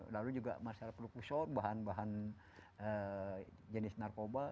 lalu juga masalah perusahaan bahan bahan jenis narkoba